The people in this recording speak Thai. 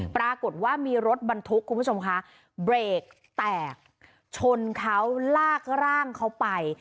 ปรากฏว่ามีรถบรรทุกคุณผู้ชมคะเบรกแตกชนเขาลากร่างเขาไป